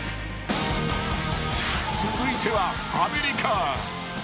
［続いてはアメリカ］